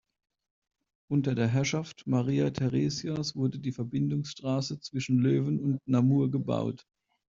Unter der Herrschaft Maria Theresias wurde die Verbindungsstraße zwischen Löwen und Namur gebaut.